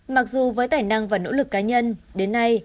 mặc dù với tài năng và nỗ lực cá nhân đến nay